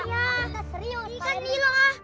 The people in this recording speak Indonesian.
iya ini kan lilo lah